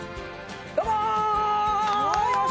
どうも！